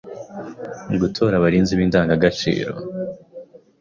Gutora abarinzi b’Indangagaciro;